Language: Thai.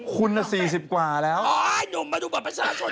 กระเทยเก่งกว่าเออแสดงความเป็นเจ้าข้าว